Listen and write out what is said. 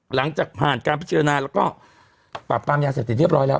หลังจากผ่านการพิจารณาแล้วก็ปราบปรามยาเสพติดเรียบร้อยแล้ว